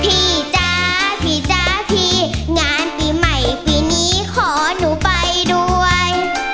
พี่จ๊ะพี่จ๊ะพี่งานปีใหม่ปีนี้ขอหนูไปด้วย